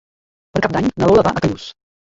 Per Cap d'Any na Lola va a Callús.